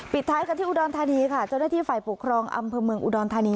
ท้ายกันที่อุดรธานีค่ะเจ้าหน้าที่ฝ่ายปกครองอำเภอเมืองอุดรธานี